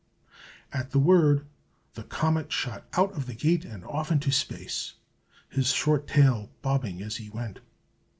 At the word, the comet shot out of the gate and off into space, his short tail bobbing as he went.